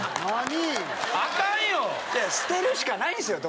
捨てるしかないんですよ